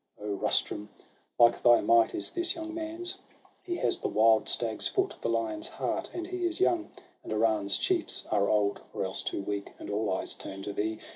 O Rustum, like thy might is this young man's ! He has the wild stag's foot, the lion's heart; And he is young, and Iran's chiefs are old, Or else too weak; and all eyes turn to thee.